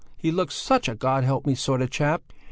He looks such a God help me sort of chap."